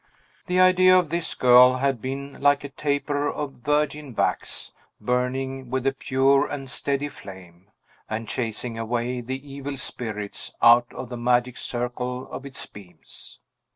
The idea of this girl had been like a taper of virgin wax, burning with a pure and steady flame, and chasing away the evil spirits out of the magic circle of its beams.